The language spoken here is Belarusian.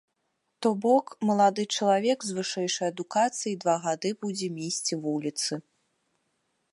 То бок, малады чалавек з вышэйшай адукацыяй два гады будзе месці вуліцы.